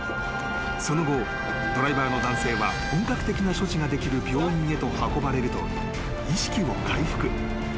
［その後ドライバーの男性は本格的な処置ができる病院へと運ばれると意識を回復］